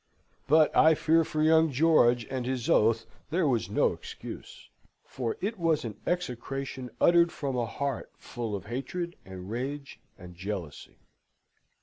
But I fear for young George and his oath there was no excuse; for it was an execration uttered from a heart full of hatred, and rage, and jealousy.